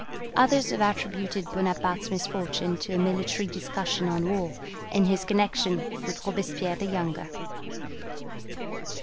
Others have attributed Bonaparte's misfortune to a military discussion on war, and his connection with Robespierre the younger.